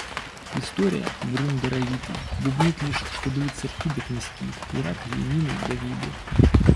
История — врун даровитый, бубнит лишь, что были царьки да князьки: Ираклии, Нины, Давиды.